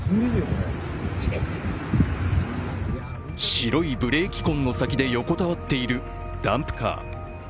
白いブレーキ痕の先で横たわっているダンプカー。